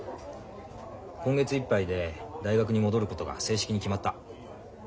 今月いっぱいで大学に戻ることが正式に決まった。